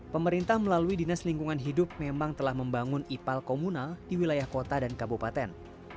pemerintah melalui dinas lingkungan hidup memang telah membangun ipal komunal di wilayah kota dan kabupaten